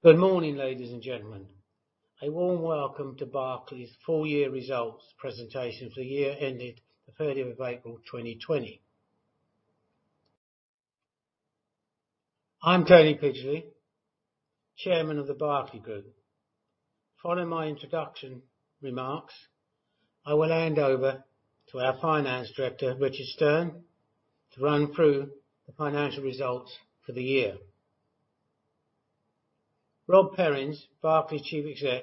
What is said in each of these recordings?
Good morning, ladies and gentlemen. A warm welcome to Berkeley's full year results presentation for the year ending the April 30th, 2020. I'm Tony Pidgley, Chairman of The Berkeley Group. Following my introduction remarks, I will hand over to our Finance Director, Richard Stearn, to run through the financial results for the year. Rob Perrins, Berkeley Chief Exec,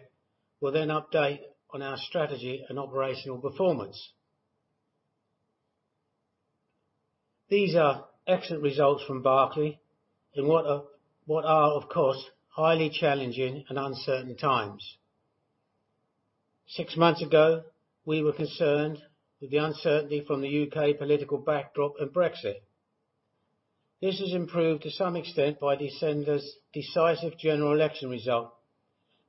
will then update on our strategy and operational performance. These are excellent results from Berkeley in what are, of course, highly challenging and uncertain times. Six months ago, we were concerned with the uncertainty from the U.K. political backdrop and Brexit. This has improved to some extent by December's decisive general election result,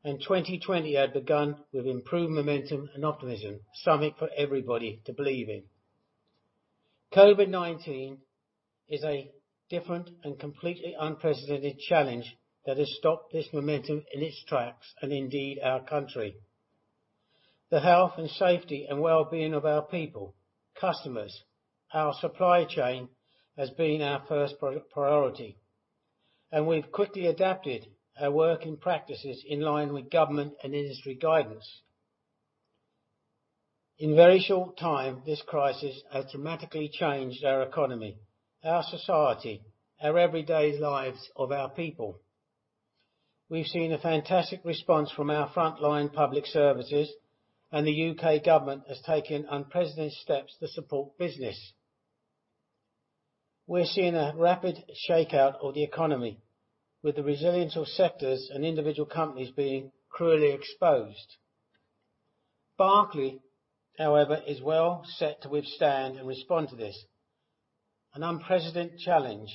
2020 had begun with improved momentum and optimism, something for everybody to believe in. COVID-19 is a different and completely unprecedented challenge that has stopped this momentum in its tracks and indeed, our country. The health and safety and wellbeing of our people, customers, our supply chain, has been our first priority, and we've quickly adapted our working practices in line with government and industry guidance. In very short time, this crisis has dramatically changed our economy, our society, our everyday lives of our people. We've seen a fantastic response from our frontline public services, and the U.K. government has taken unprecedented steps to support business. We're seeing a rapid shakeout of the economy, with the resilience of sectors and individual companies being cruelly exposed. Berkeley, however, is well set to withstand and respond to this, an unprecedented challenge.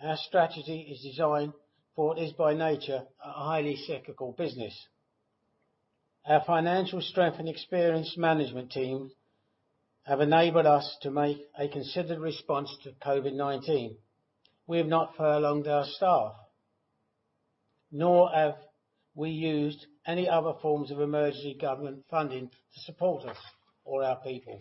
Our strategy is designed for what is, by nature, a highly cyclical business. Our financial strength and experienced management team have enabled us to make a considered response to COVID-19. We have not furloughed our staff, nor have we used any other forms of emergency government funding to support us or our people.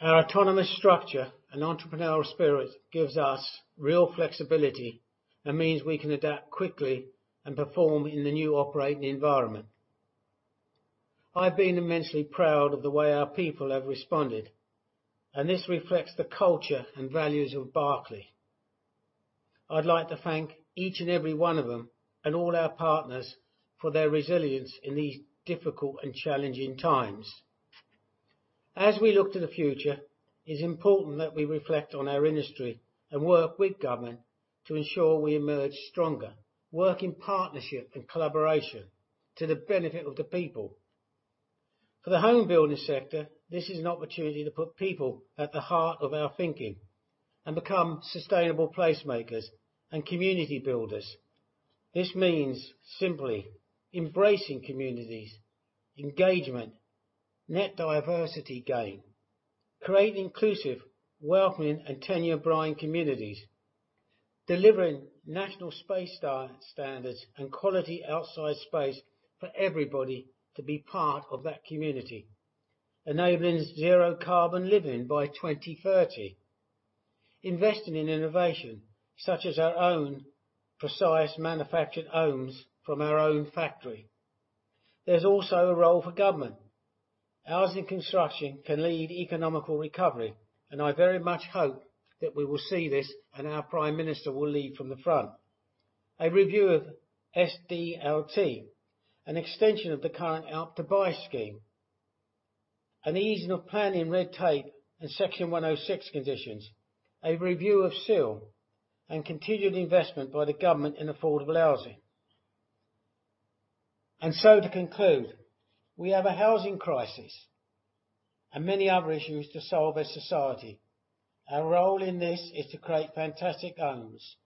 Our autonomous structure and entrepreneurial spirit gives us real flexibility and means we can adapt quickly and perform in the new operating environment. I've been immensely proud of the way our people have responded, and this reflects the culture and values of Berkeley. I'd like to thank each and every one of them and all our partners for their resilience in these difficult and challenging times. As we look to the future, it's important that we reflect on our industry and work with government to ensure we emerge stronger, work in partnership and collaboration to the benefit of the people. For the home building sector, this is an opportunity to put people at the heart of our thinking and become sustainable placemakers and community builders. This means simply embracing communities, engagement, net diversity gain, creating inclusive, welcoming, and tenure blind communities, delivering national space standards and quality outside space for everybody to be part of that community, enabling zero carbon living by 2030. Investing in innovation, such as our own precise manufactured homes from our own factory. There's also a role for government. Housing construction can lead economic recovery, and I very much hope that we will see this and our Prime Minister will lead from the front. A review of SDLT, an extension of the current Help to Buy scheme, an easing of planning red tape and Section 106 conditions, a review of CIL, and continued investment by the government in affordable housing. To conclude, we have a housing crisis and many other issues to solve as society. Our role in this is to create fantastic homes,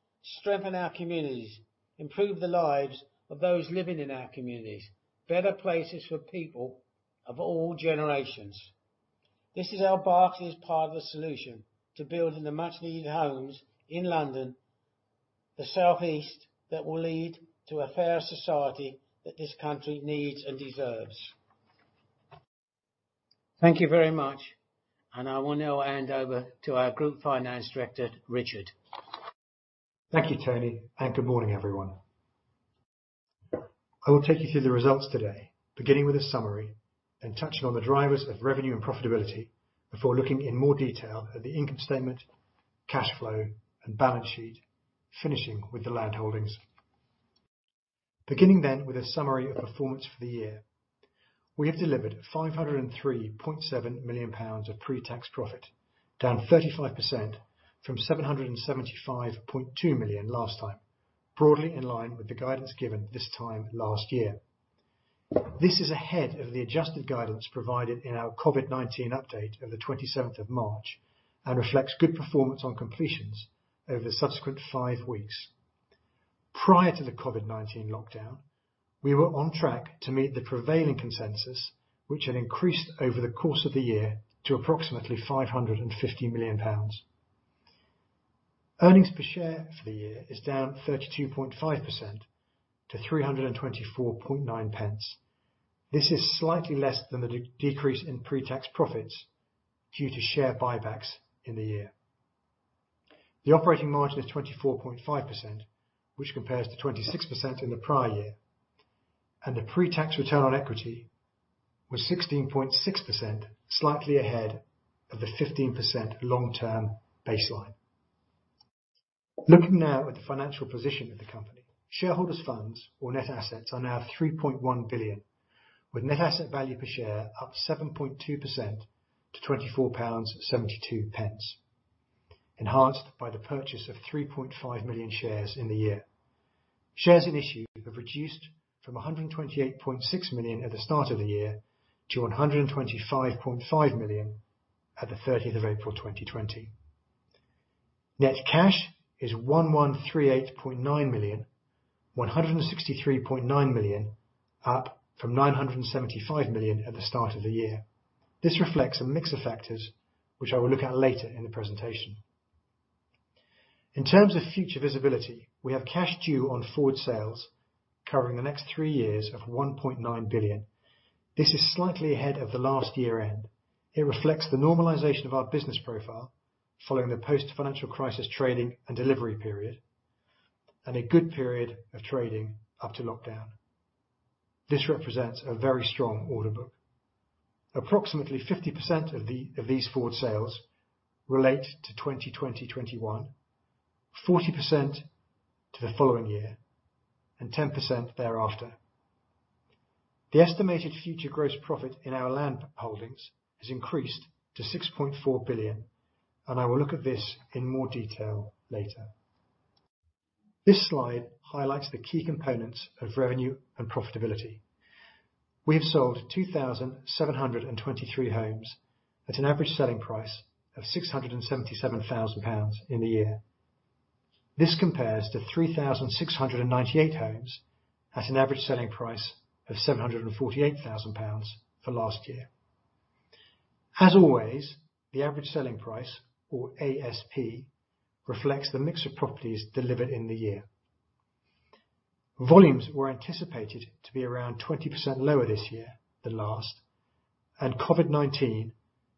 strengthen our communities, improve the lives of those living in our communities, better places for people of all generations. This is how Berkeley is part of the solution to building the much needed homes in London, the South East, that will lead to a fairer society that this country needs and deserves. Thank you very much, and I will now hand over to our Group Finance Director, Richard. Thank you, Tony. Good morning, everyone. I will take you through the results today, beginning with a summary and touching on the drivers of revenue and profitability before looking in more detail at the income statement, cash flow, and balance sheet, finishing with the land holdings. Beginning with a summary of performance for the year. We have delivered 503.7 million pounds of pre-tax profit, down 35% from 775.2 million last time, broadly in line with the guidance given this time last year. This is ahead of the adjusted guidance provided in our COVID-19 update of the 27th of March and reflects good performance on completions over the subsequent five weeks. Prior to the COVID-19 lockdown, we were on track to meet the prevailing consensus, which had increased over the course of the year to approximately 550 million pounds. Earnings per share for the year is down 32.5% to 3.249. This is slightly less than the decrease in pre-tax profits due to share buybacks in the year. The operating margin is 24.5%, which compares to 26% in the prior year, and the pre-tax return on equity was 16.6%, slightly ahead of the 15% long-term baseline. Looking now at the financial position of the company. Shareholders' funds, or net assets, are now 3.1 billion, with net asset value per share up 7.2% to 24.72 pounds, enhanced by the purchase of 3.5 million shares in the year. Shares in issue have reduced from 128.6 million at the start of the year to 125.5 million at the April 30th, 2020. Net cash is 1,138.9 million, 163.9 million up from 975 million at the start of the year. This reflects a mix of factors, which I will look at later in the presentation. In terms of future visibility, we have cash due on forward sales covering the next three years of 1.9 billion. This is slightly ahead of the last year-end. It reflects the normalization of our business profile, following the post-financial crisis trading and delivery period, and a good period of trading up to lockdown. This represents a very strong order book. Approximately 50% of these forward sales relate to 2020-2021, 40% to the following year, and 10% thereafter. The estimated future gross profit in our land holdings has increased to 6.4 billion, and I will look at this in more detail later. This slide highlights the key components of revenue and profitability. We have sold 2,723 homes at an average selling price of 677,000 pounds in the year. This compares to 3,698 homes at an average selling price of 748,000 pounds for last year. As always, the average selling price, or ASP, reflects the mix of properties delivered in the year. Volumes were anticipated to be around 20% lower this year than last, and COVID-19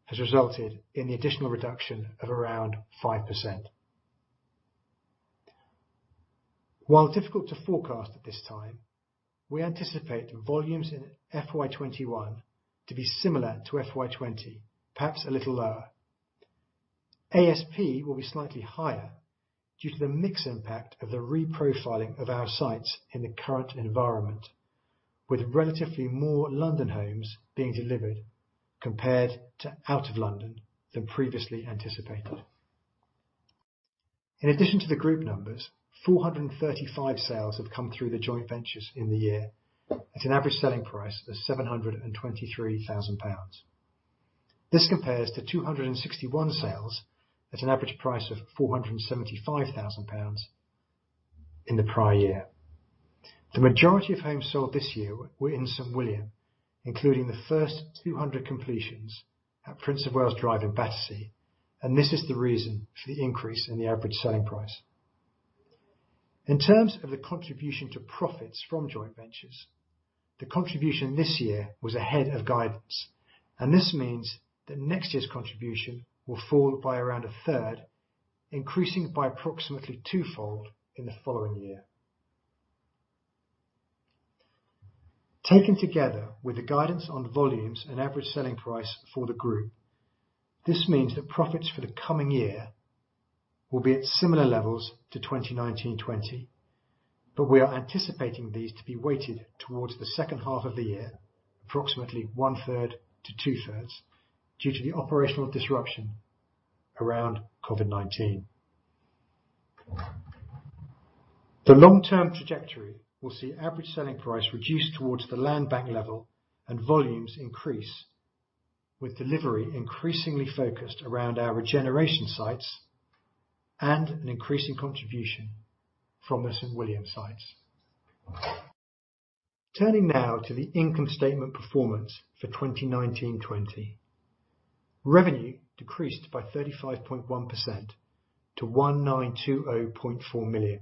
has resulted in the additional reduction of around 5%. While difficult to forecast at this time, we anticipate volumes in FY 2021 to be similar to FY 2020, perhaps a little lower. ASP will be slightly higher due to the mix impact of the reprofiling of our sites in the current environment, with relatively more London homes being delivered compared to out of London than previously anticipated. In addition to the group numbers, 435 sales have come through the joint ventures in the year at an average selling price of 723,000 pounds. This compares to 261 sales at an average price of 475,000 pounds in the prior year. The majority of homes sold this year were in St William, including the first 200 completions at Prince of Wales Drive in Battersea. This is the reason for the increase in the average selling price. In terms of the contribution to profits from joint ventures, the contribution this year was ahead of guidance. This means that next year's contribution will fall by around a third, increasing by approximately twofold in the following year. Taken together with the guidance on volumes and average selling price for the group, this means that profits for the coming year will be at similar levels to 2019-2020. We are anticipating these to be weighted towards the second half of the year, approximately one third to two thirds, due to the operational disruption around COVID-19. The long-term trajectory will see average selling price reduced towards the land bank level and volumes increase, with delivery increasingly focused around our regeneration sites and an increasing contribution from the St William sites. Turning now to the income statement performance for 2019-2020. Revenue decreased by 35.1% to 1,920.4 million,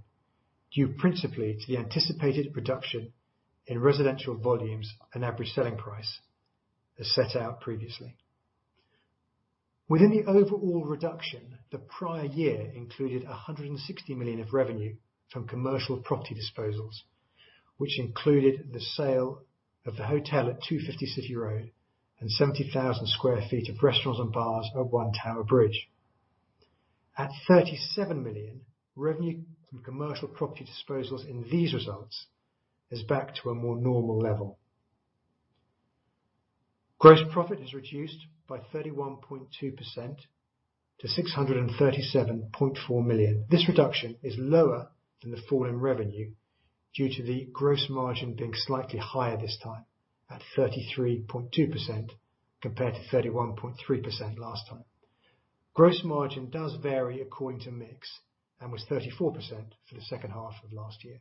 due principally to the anticipated reduction in residential volumes and average selling price as set out previously. Within the overall reduction, the prior year included 160 million of revenue from commercial property disposals, which included the sale of the hotel at 250 City Road and 70,000 sq ft of restaurants and bars at One Tower Bridge. At 37 million, revenue from commercial property disposals in these results is back to a more normal level. Gross profit is reduced by 31.2% to 637.4 million. This reduction is lower than the fall in revenue due to the gross margin being slightly higher this time at 33.2% compared to 31.3% last time. Gross margin does vary according to mix and was 34% for the second half of last year.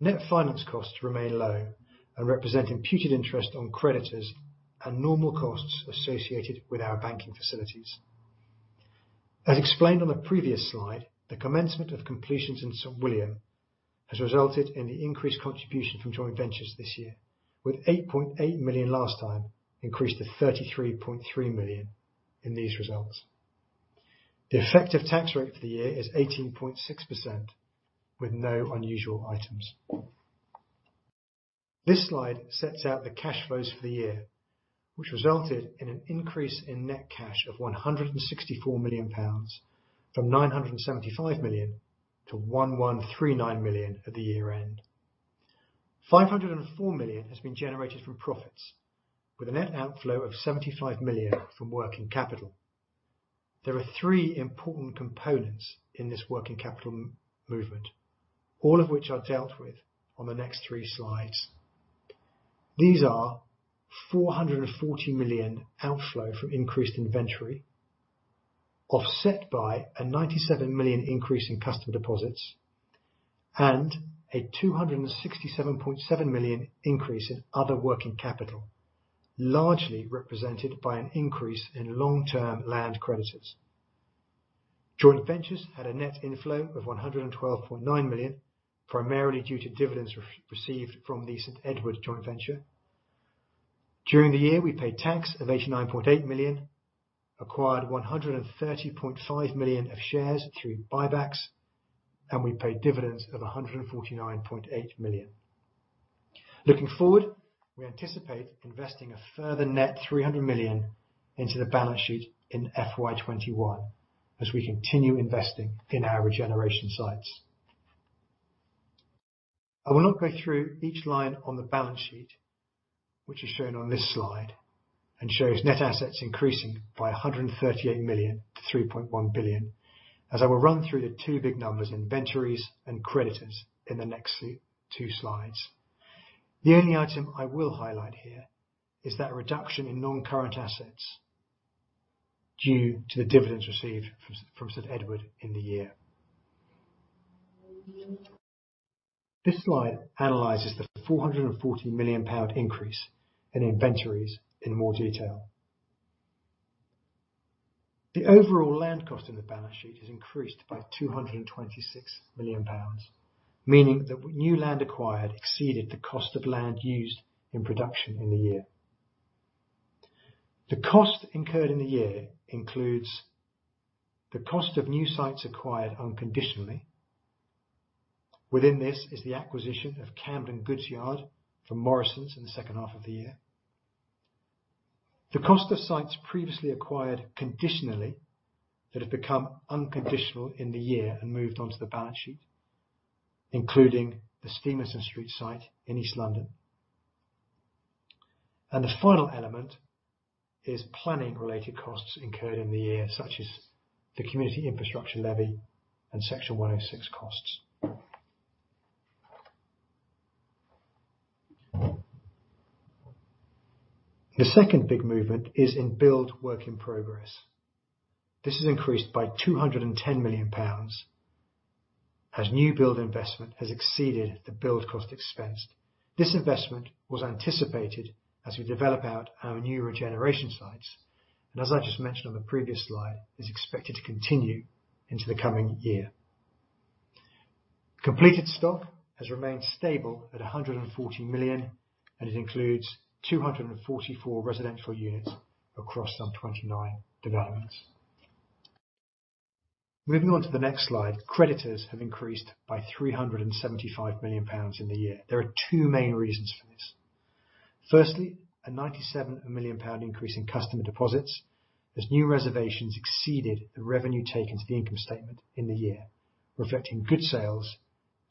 Net finance costs remain low and represent imputed interest on creditors and normal costs associated with our banking facilities. As explained on the previous slide, the commencement of completions in St William has resulted in the increased contribution from joint ventures this year. With 8.8 million last time increased to 33.3 million in these results. The effective tax rate for the year is 18.6% with no unusual items. This slide sets out the cash flows for the year, which resulted in an increase in net cash of 164 million pounds, from 975 million-1,139 million at the year end. 504 million has been generated from profits with a net outflow of 75 million from working capital. There are three important components in this working capital movement, all of which are dealt with on the next three slides. These are 440 million outflow from increased inventory, offset by a 97 million increase in customer deposits, and a 267.7 million increase in other working capital, largely represented by an increase in long-term land creditors. Joint ventures had a net inflow of 112.9 million, primarily due to dividends received from the St Edward joint venture. During the year, we paid tax of 89.8 million, acquired 130.5 million of shares through buybacks, and we paid dividends of 149.8 million. Looking forward, we anticipate investing a further net 300 million into the balance sheet in FY 2021 as we continue investing in our regeneration sites. I will not go through each line on the balance sheet, which is shown on this slide and shows net assets increasing by 138 million-3.1 billion, as I will run through the two big numbers, inventories and creditors in the next two slides. The only item I will highlight here is that reduction in non-current assets due to the dividends received from St Edward in the year. This slide analyzes the 440 million pound increase in inventories in more detail. The overall land cost in the balance sheet has increased by 226 million pounds, meaning that new land acquired exceeded the cost of land used in production in the year. The cost incurred in the year includes the cost of new sites acquired unconditionally. Within this is the acquisition of Camden Goods Yard from Morrisons in the second half of the year. The cost of sites previously acquired conditionally that have become unconditional in the year and moved on to the balance sheet, including the Stephenson Street site in East London. The final element is planning-related costs incurred in the year, such as the Community Infrastructure Levy and Section 106 costs. The second big movement is in build work in progress. This has increased by 210 million pounds as new build investment has exceeded the build cost expense. This investment was anticipated as we develop out our new regeneration sites, and as I just mentioned on the previous slide, is expected to continue into the coming year. Completed stock has remained stable at 140 million, and it includes 244 residential units across some 29 developments. Moving on to the next slide. Creditors have increased by 375 million pounds in the year. There are two main reasons for this. Firstly, a 97 million pound increase in customer deposits as new reservations exceeded the revenue taken to the income statement in the year, reflecting good sales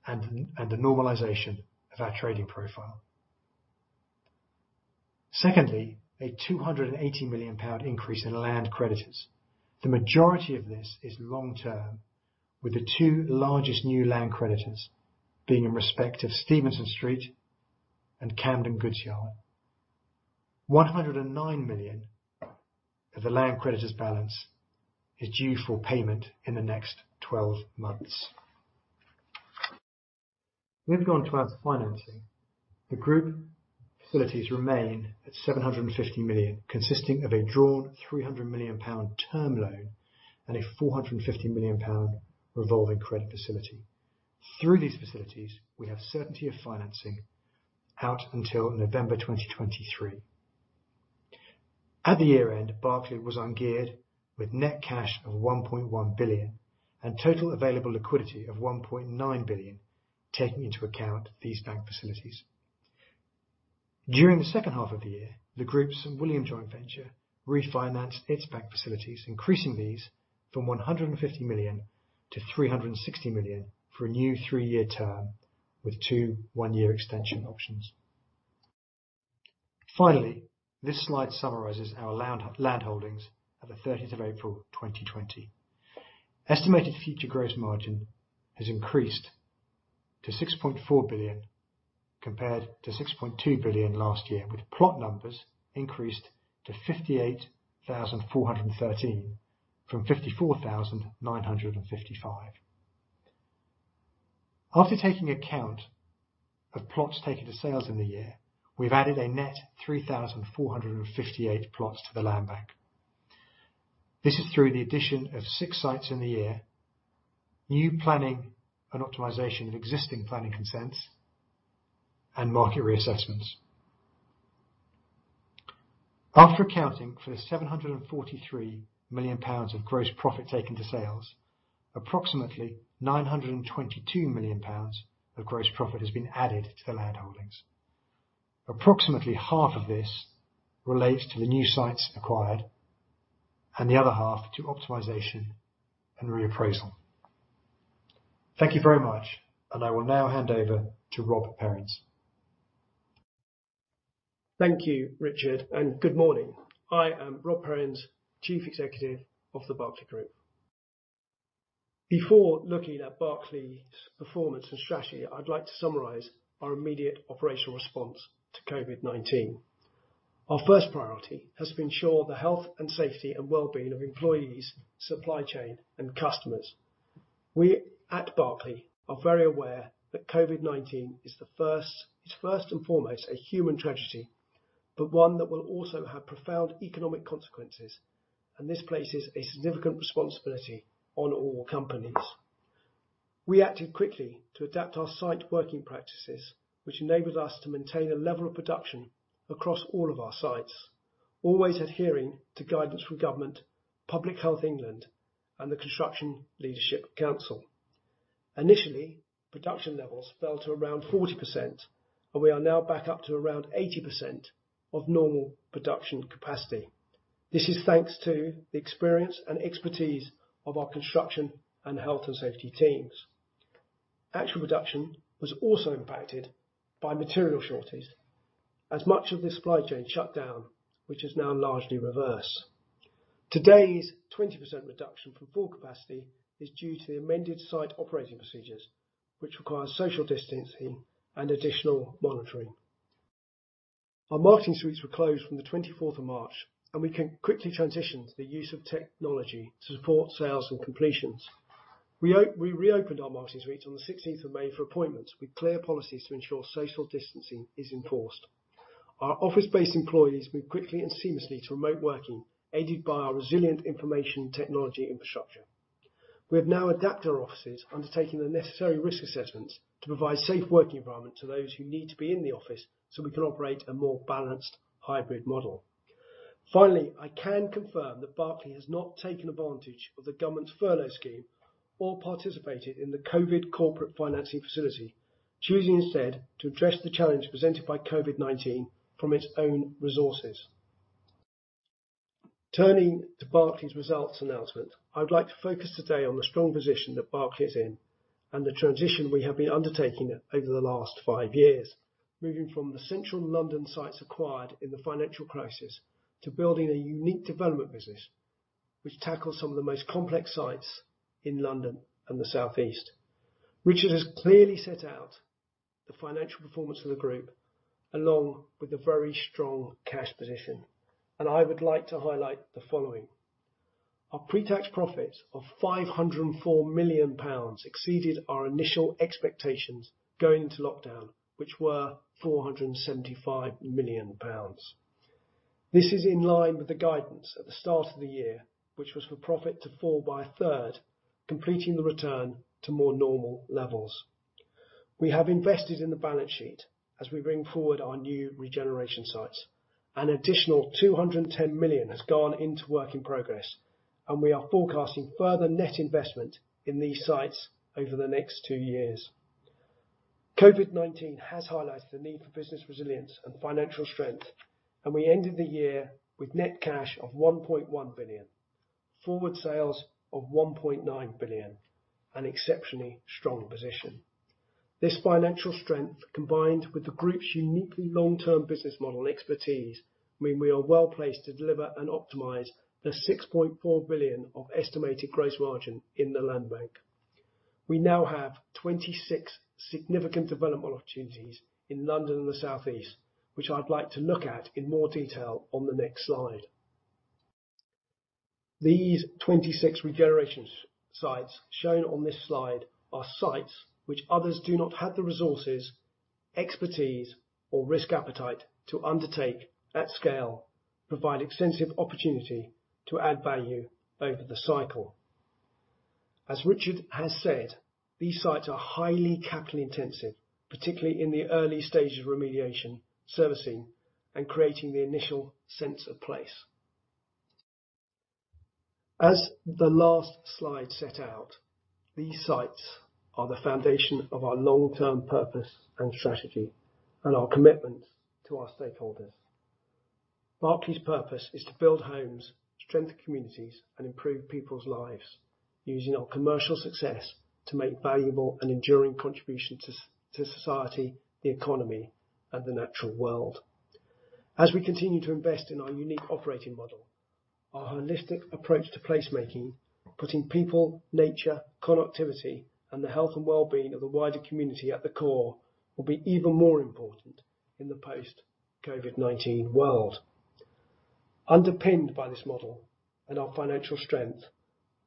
and the normalization of our trading profile. Secondly, a 280 million pound increase in land creditors. The majority of this is long-term, with the two largest new land creditors being in respect of Stephenson Street and Camden Goods Yard. 109 million of the land creditors balance is due for payment in the next 12 months. Moving on to our financing. The group facilities remain at 750 million, consisting of a drawn 300 million pound term loan and a 450 million pound revolving credit facility. Through these facilities, we have certainty of financing out until November 2023. At the year-end, Berkeley was ungeared with net cash of 1.1 billion and total available liquidity of 1.9 billion, taking into account these bank facilities. During the second half of the year, the group's St William joint venture refinanced its bank facilities, increasing these from 150 million-360 million for a new three-year term with two one-year extension options. Finally, this slide summarizes our land holdings at the April 30th, 2020. Estimated future gross margin has increased to 6.4 billion, compared to 6.2 billion last year, with plot numbers increased to 58,413 from 54,955. After taking account of plots taken to sales in the year, we've added a net 3,458 plots to the land bank. This is through the addition of six sites in the year, new planning and optimization of existing planning consents, and market reassessments. After accounting for the 743 million pounds of gross profit taken to sales, approximately 922 million pounds of gross profit has been added to the land holdings. Approximately half of this relates to the new sites acquired, and the other half to optimization and reappraisal. Thank you very much, and I will now hand over to Rob Perrins. Thank you, Richard. Good morning. I am Rob Perrins, chief executive of The Berkeley Group. Before looking at Berkeley's performance and strategy, I'd like to summarize our immediate operational response to COVID-19. Our first priority has been to ensure the health and safety and wellbeing of employees, supply chain, and customers. We at Berkeley are very aware that COVID-19 is first and foremost a human tragedy, but one that will also have profound economic consequences. This places a significant responsibility on all companies. We acted quickly to adapt our site working practices, which enabled us to maintain a level of production across all of our sites, always adhering to guidance from government, Public Health England, and the Construction Leadership Council. Initially, production levels fell to around 40%. We are now back up to around 80% of normal production capacity. This is thanks to the experience and expertise of our construction and health and safety teams. Actual production was also impacted by material shortages as much of the supply chain shut down, which has now largely reversed. Today's 20% reduction from full capacity is due to the amended site operating procedures, which require social distancing and additional monitoring. Our marketing suites were closed from the 24th of March, and we can quickly transition to the use of technology to support sales and completions. We reopened our marketing suites on the 16th of May for appointments with clear policies to ensure social distancing is enforced. Our office-based employees moved quickly and seamlessly to remote working, aided by our resilient information technology infrastructure. We have now adapted our offices, undertaking the necessary risk assessments to provide a safe working environment to those who need to be in the office so we can operate a more balanced hybrid model. Finally, I can confirm that Berkeley has not taken advantage of the government's furlough scheme or participated in the Covid Corporate Financing Facility, choosing instead to address the challenge presented by COVID-19 from its own resources. Turning to Berkeley's results announcement, I would like to focus today on the strong position that Berkeley is in and the transition we have been undertaking over the last five years, moving from the Central London sites acquired in the financial crisis to building a unique development business, which tackles some of the most complex sites in London and the South East. Richard has clearly set out the financial performance of the group, along with the very strong cash position, and I would like to highlight the following. Our pre-tax profit of 504 million pounds exceeded our initial expectations going into lockdown, which were 475 million pounds. This is in line with the guidance at the start of the year, which was for profit to fall by a third, completing the return to more normal levels. We have invested in the balance sheet as we bring forward our new regeneration sites. An additional 210 million has gone into work in progress, and we are forecasting further net investment in these sites over the next two years. COVID-19 has highlighted the need for business resilience and financial strength, and we ended the year with net cash of 1.1 billion, forward sales of 1.9 billion, an exceptionally strong position. This financial strength, combined with the group's uniquely long-term business model and expertise, mean we are well-placed to deliver and optimize the 6.4 billion of estimated gross margin in the land bank. We now have 26 significant development opportunities in London and the South East, which I'd like to look at in more detail on the next slide. These 26 regeneration sites shown on this slide are sites which others do not have the resources, expertise, or risk appetite to undertake at scale, provide extensive opportunity to add value over the cycle. As Richard has said, these sites are highly capital intensive, particularly in the early stages of remediation, servicing, and creating the initial sense of place. As the last slide set out, these sites are the foundation of our long-term purpose and strategy, and our commitment to our stakeholders. Berkeley's purpose is to build homes, strengthen communities, and improve people's lives, using our commercial success to make valuable and enduring contributions to society, the economy, and the natural world. As we continue to invest in our unique operating model, our holistic approach to placemaking, putting people, nature, connectivity, and the health and wellbeing of the wider community at the core will be even more important in the post-COVID-19 world. Underpinned by this model and our financial strength,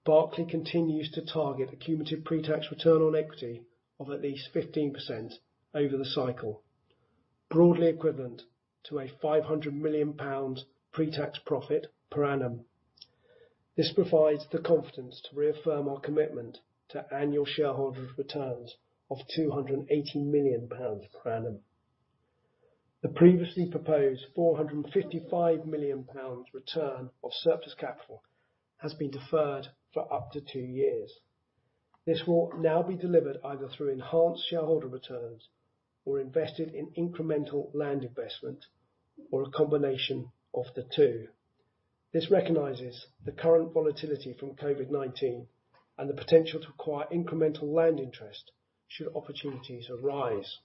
Berkeley continues to target a cumulative pre-tax return on equity of at least 15% over the cycle, broadly equivalent to a 500 million pounds pre-tax profit per annum. This provides the confidence to reaffirm our commitment to annual shareholders' returns of 280 million pounds per annum. The previously proposed 455 million pounds return of surplus capital has been deferred for up to two years. This will now be delivered either through enhanced shareholder returns or invested in incremental land investment or a combination of the two. This recognizes the current volatility from COVID-19 and the potential to acquire incremental land interest should opportunities arise.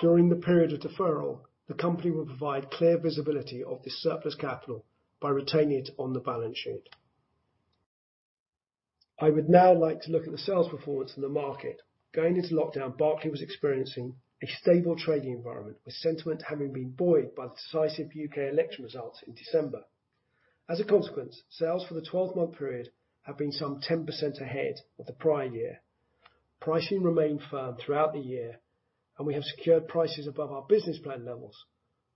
During the period of deferral, the company will provide clear visibility of this surplus capital by retaining it on the balance sheet. I would now like to look at the sales performance in the market. Going into lockdown, Berkeley was experiencing a stable trading environment, with sentiment having been buoyed by the decisive U.K. election results in December. As a consequence, sales for the 12-month period have been some 10% ahead of the prior year. Pricing remained firm throughout the year, and we have secured prices above our business plan levels,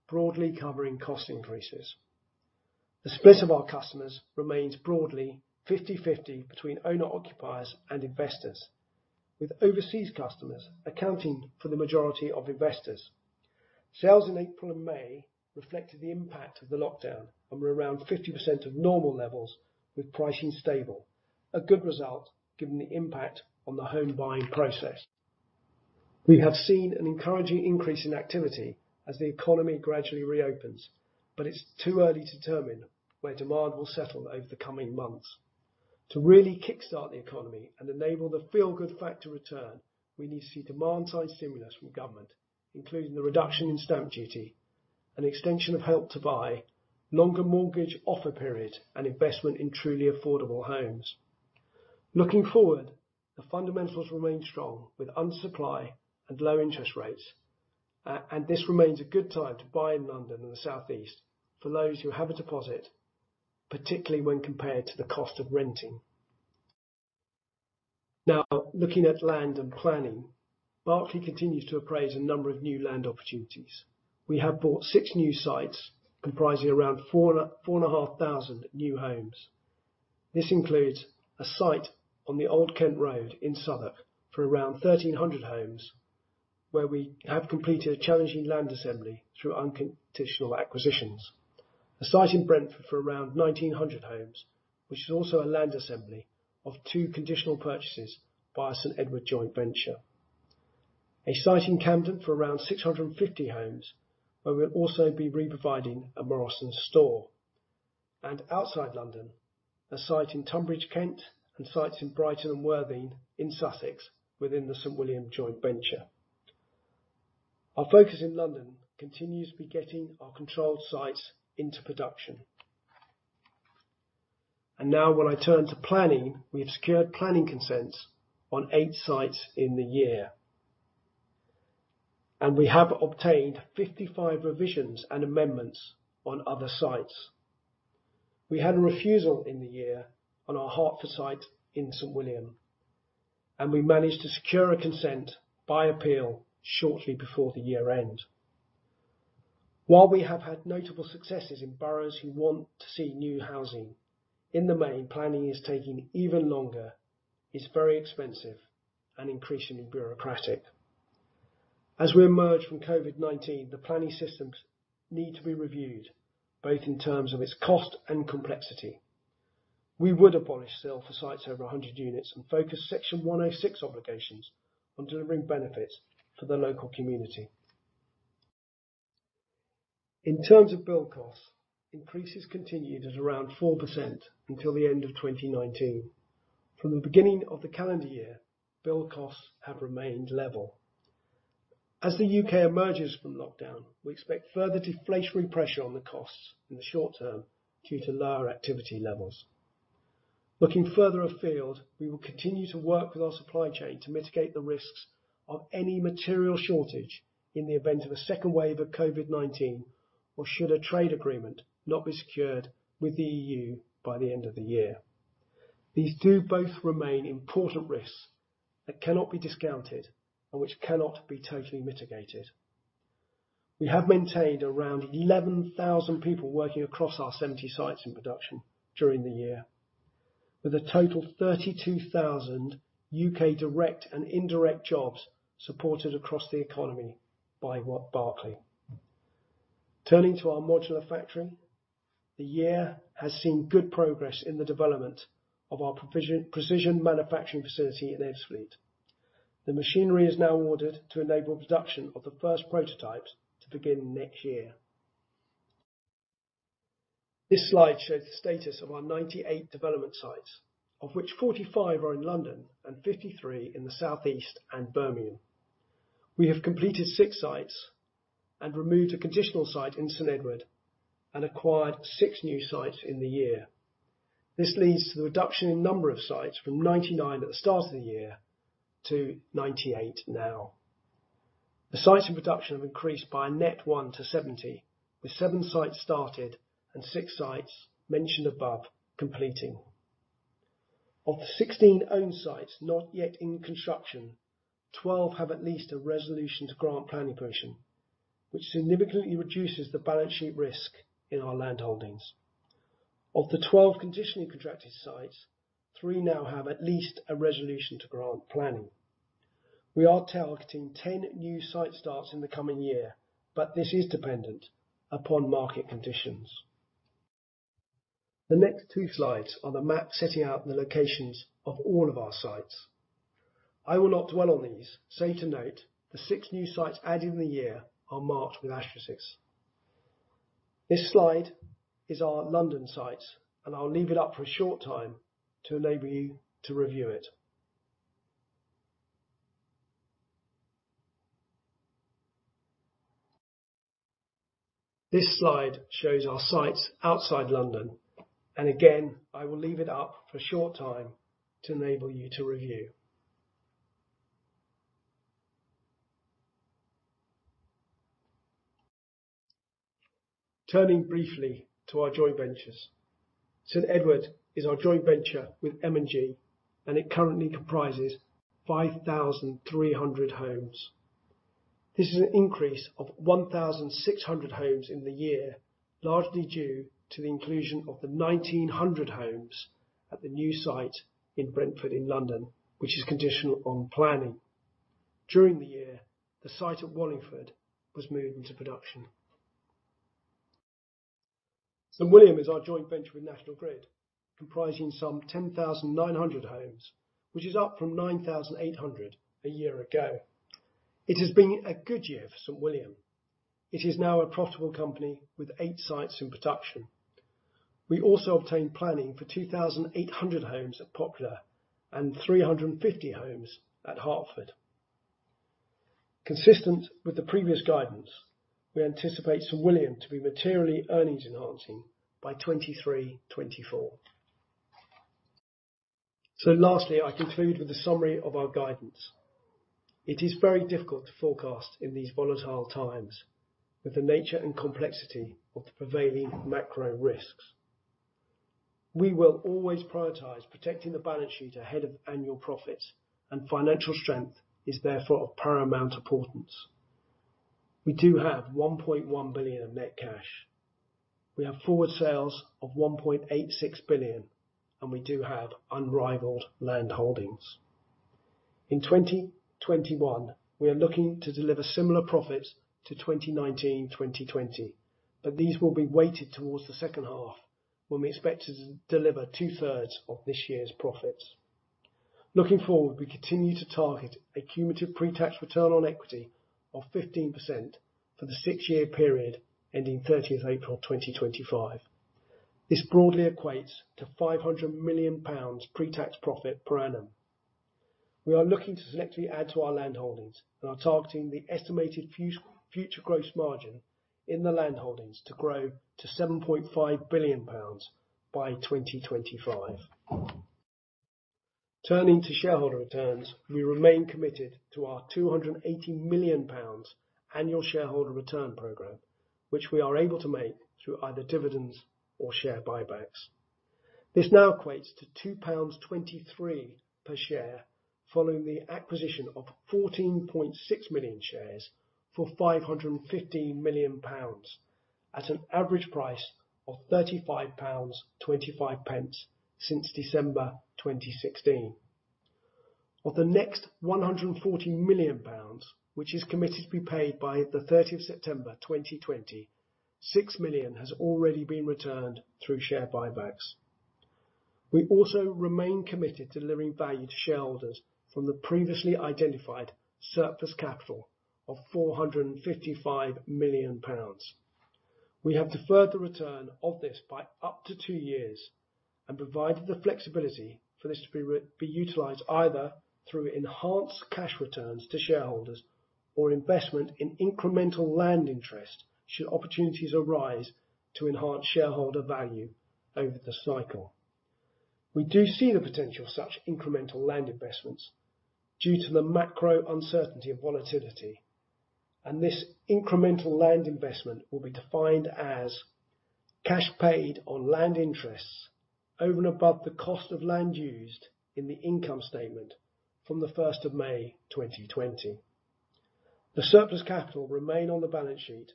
broadly covering cost increases. The split of our customers remains broadly 50/50 between owner/occupiers and investors, with overseas customers accounting for the majority of investors. Sales in April and May reflected the impact of the lockdown and were around 50% of normal levels with pricing stable. A good result given the impact on the home buying process. We have seen an encouraging increase in activity as the economy gradually reopens, but it's too early to determine where demand will settle over the coming months. To really kick-start the economy and enable the feel-good factor return, we need to see demand-side stimulus from government, including the reduction in stamp duty, an extension of Help to Buy, longer mortgage offer periods, and investment in truly affordable homes. Looking forward, the fundamentals remain strong with undersupply and low interest rates, and this remains a good time to buy in London and the Southeast for those who have a deposit, particularly when compared to the cost of renting. Now, looking at land and planning. Berkeley continues to appraise a number of new land opportunities. We have bought six new sites comprising around 4,500 new homes. This includes a site on the Old Kent Road in Southwark for around 1,300 homes, where we have completed a challenging land assembly through unconditional acquisitions. A site in Brentford for around 1,900 homes, which is also a land assembly of two conditional purchases by a St Edward joint venture. A site in Camden for around 650 homes where we'll also be reprovisioning a Morrisons store. Outside London, a site in Tonbridge, Kent, and sites in Brighton and Worthing in Sussex within the St William joint venture. Our focus in London continues to be getting our controlled sites into production. Now when I turn to planning, we have secured planning consents on eight sites in the year, and we have obtained 55 revisions and amendments on other sites. We had a refusal in the year on our Hertford site in St William, and we managed to secure a consent by appeal shortly before the year end. While we have had notable successes in boroughs who want to see new housing, in the main, planning is taking even longer, is very expensive, and increasingly bureaucratic. As we emerge from COVID-19, the planning systems need to be reviewed both in terms of its cost and complexity. We would abolish CIL for sites over 100 units and focus Section 106 obligations on delivering benefits to the local community. In terms of build costs, increases continued at around 4% until the end of 2019. From the beginning of the calendar year, build costs have remained level. As the U.K. emerges from lockdown, we expect further deflationary pressure on the costs in the short term due to lower activity levels. Looking further afield, we will continue to work with our supply chain to mitigate the risks of any material shortage in the event of a second wave of COVID-19, or should a trade agreement not be secured with the EU by the end of the year. These two both remain important risks that cannot be discounted and which cannot be totally mitigated. We have maintained around 11,000 people working across our 70 sites in production during the year, with a total 32,000 U.K. direct and indirect jobs supported across the economy by Berkeley. Turning to our modular factory. The year has seen good progress in the development of our precision manufacturing facility in Ebbsfleet. The machinery is now ordered to enable production of the first prototypes to begin next year. This slide shows the status of our 98 development sites, of which 45 are in London and 53 in the South East and Birmingham. We have completed six sites and removed a conditional site in St Edward, and acquired six new sites in the year. This leads to the reduction in number of sites from 99 at the start of the year to 98 now. The sites in production have increased by a net one to 70, with seven sites started and six sites mentioned above completing. Of the 16 owned sites not yet in construction, 12 have at least a resolution to grant planning permission, which significantly reduces the balance sheet risk in our land holdings. Of the 12 conditionally contracted sites, three now have at least a resolution to grant planning. We are targeting 10 new site starts in the coming year, but this is dependent upon market conditions. The next two slides are the map setting out the locations of all of our sites. I will not dwell on these. Save to note, the six new sites added in the year are marked with asterisks. This slide is our London sites, and I will leave it up for a short time to enable you to review it. This slide shows our sites outside London, and again, I will leave it up for a short time to enable you to review. Turning briefly to our joint ventures. St Edward is our joint venture with M&G, and it currently comprises 5,300 homes. This is an increase of 1,600 homes in the year, largely due to the inclusion of the 1,900 homes at the new site in Brentford in London, which is conditional on planning. During the year, the site at Wallingford was moved into production. St William is our joint venture with National Grid, comprising some 10,900 homes, which is up from 9,800 a year ago. It has been a good year for St William. It is now a profitable company with eight sites in production. We also obtained planning for 2,800 homes at Poplar and 350 homes at Hertford. Consistent with the previous guidance, we anticipate St William to be materially earnings enhancing by 2023, 2024. Lastly, I conclude with a summary of our guidance. It is very difficult to forecast in these volatile times with the nature and complexity of the prevailing macro risks. We will always prioritize protecting the balance sheet ahead of annual profits, and financial strength is therefore of paramount importance. We do have 1.1 billion of net cash. We have forward sales of 1.86 billion, and we do have unrivaled land holdings. In 2021, we are looking to deliver similar profits to 2019, 2020, but these will be weighted towards the second half, when we expect to deliver two-thirds of this year's profits. Looking forward, we continue to target a cumulative pre-tax return on equity of 15% for the six-year period ending April 30th, 2025. This broadly equates to 500 million pounds pre-tax profit per annum. We are looking to selectively add to our land holdings and are targeting the estimated future gross margin in the land holdings to grow to 7.5 billion pounds by 2025. Turning to shareholder returns, we remain committed to our 280 million pounds annual shareholder return program, which we are able to make through either dividends or share buybacks. This now equates to 2.23 pounds per share following the acquisition of 14.6 million shares for 515 million pounds at an average price of 35.25 pounds since December 2016. Of the next 140 million pounds, which is committed to be paid by the September 30th, 2020, 6 million has already been returned through share buybacks. We also remain committed to delivering value to shareholders from the previously identified surplus capital of 455 million pounds. We have deferred the return of this by up to two years and provided the flexibility for this to be utilized either through enhanced cash returns to shareholders or investment in incremental land interest should opportunities arise to enhance shareholder value over the cycle. We do see the potential of such incremental land investments due to the macro uncertainty and volatility, and this incremental land investment will be defined as cash paid on land interests over and above the cost of land used in the income statement from the 1st of May 2020. The surplus capital remain on the balance sheet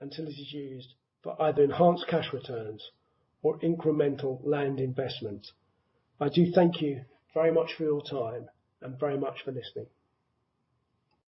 until it is used for either enhanced cash returns or incremental land investments. I do thank you very much for your time and very much for listening.